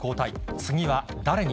次は誰に？